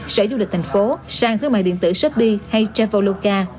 sở du lịch thành phố sang thương mại điện tử shopee hay traveloca